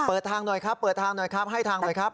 เปิดทางหน่อยครับเปิดทางหน่อยครับให้ทางหน่อยครับ